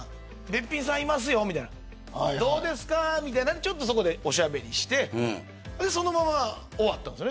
べっぴんさんいますよみたいなどうですか、みたいなそこでおしゃべりをしてそのまま終わったんです。